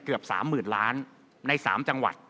คงต้องเอากนะวัน๓หมื่นล้านใน๓จังหวัด